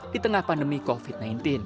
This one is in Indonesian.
di tengah pandemi covid sembilan belas